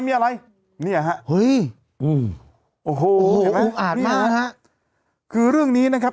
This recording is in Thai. มีอะไรเนี้ยฮะโอ้โหโอ้โหอาจมากคือเรื่องนี้นะครับ